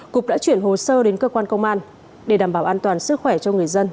cục đã chuyển hồ sơ đến cơ quan công an để đảm bảo an toàn sức khỏe cho người dân